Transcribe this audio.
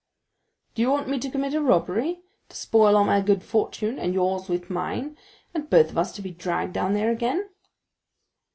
"Do you want me to commit a robbery, to spoil all my good fortune—and yours with mine—and both of us to be dragged down there again?"